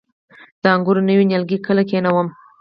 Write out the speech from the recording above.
د انګورو نوي نیالګي کله کینوم؟